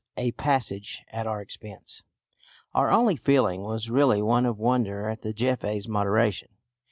a passage at our expense our only feeling was really one of wonder at the Jefe's moderation.